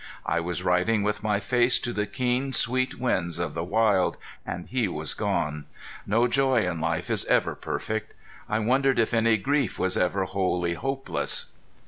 I was riding with my face to the keen, sweet winds of the wild, and he was gone. No joy in life is ever perfect. I wondered if any grief was ever wholly hopeless.